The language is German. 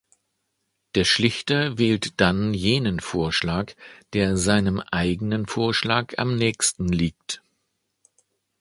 Der Schlichter wählt dann jenen Vorschlag, der seinem eigenen Vorschlag am nächsten liegt.